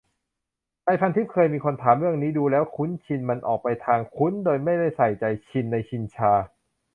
ในพันทิปเคยมีคนถามเรื่องนี้ ดูแล้ว คุ้นชิน มันออกไปทาง คุ้นโดยไม่ได้ใส่ใจ "ชิน" ในชินชา